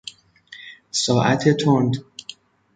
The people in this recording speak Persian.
ساعت تند